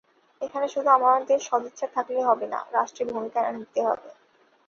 এখানে শুধু আমাদের সদিচ্ছা থাকলে হবে না, রাষ্ট্রের ভূমিকা নিতে হবে।